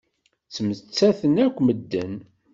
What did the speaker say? Ttmettaten akk medden.